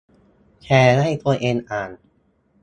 แชร์ให้ตัวเองอ่าน